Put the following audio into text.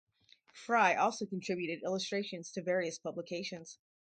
Fry also contributed illustrations to various publications.